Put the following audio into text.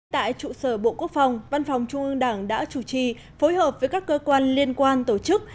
tại trụ sở bộ quốc phòng văn phòng trung ương đảng đã chủ trì phối hợp với các cơ quan liên quan tổ chức